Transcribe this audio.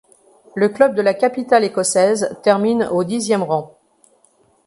Le club de la capitale écossaise termine au dixième rang.